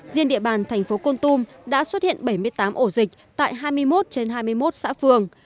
riêng địa bàn thành phố con tum đã xuất hiện bảy mươi tám ổ dịch tại hai mươi một trên hai mươi một xã phường